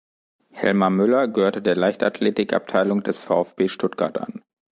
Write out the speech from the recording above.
Helmar Müller gehörte der Leichtathletikabteilung des VfB Stuttgart an.